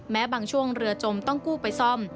แม้บางช่วงเรือจมต้องกู้ไปซ่อม